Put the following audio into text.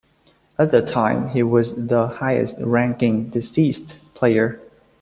At the time, he was the highest-ranking deceased player.